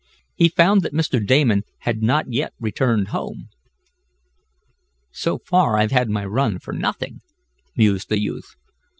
He found that Mr. Damon had not yet returned home. "So far I've had my run for nothing," mused the youth.